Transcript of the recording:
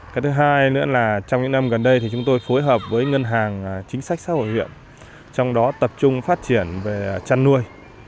cái thứ hai nữa là trong những năm gần đây thì chúng tôi phối hợp với ngân hàng chính sách xã hội huyện trong đó tập trung phát triển về chăn nuôi